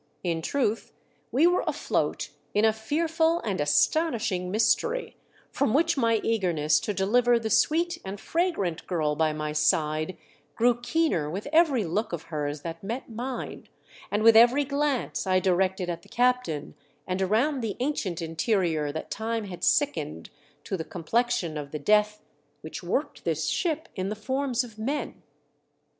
In truth, we were afloat in a fearful and astonishing Mystery, from which my eagerness to deliver the sweet and fragrant girl by my side grew keener with every look of hers that met mine, and with every glance I directed at the captain and around the ancient interior that time had sickened to the complexion of the death which worked this ship in the forms of men.